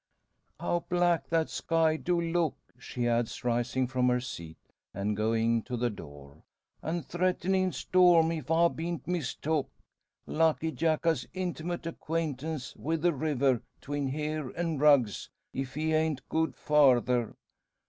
"How black that sky do look," she adds, rising from her seat, and going to the door; "An' threatenin' storm, if I bean't mistook. Lucky, Jack ha' intimate acquaintance wi' the river 'tween here and Rugg's if he hain't goed farther.